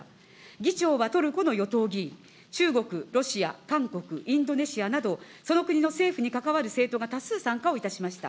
議長はトルコの与党議員、中国、ロシア、韓国、インドネシアなど、その国の政府に関わる政党が多数参加をいたしました。